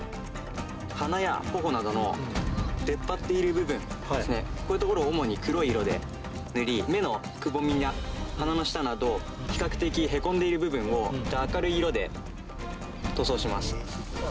鼻やほおなどの出っ張っている部分ですね、こういう所を主に黒い色で塗り、目のくぼみや鼻の下など、比較的へこんでいる部分を明るい色で塗装します。